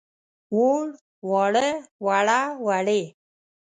ووړ، واړه، وړه، وړې.